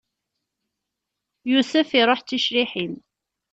Yusef iṛuḥ d ticriḥin!